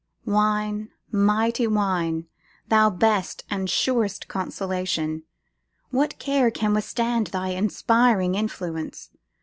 Wine, mighty wine! thou best and surest consolation! What care can withstand thy inspiring influence!